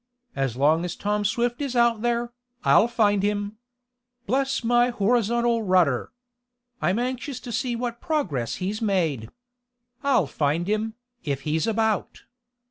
As long as Tom Swift is out there, I'll find him. Bless my horizontal rudder! I'm anxious to see what progress he's made. I'll find him, if he's about!"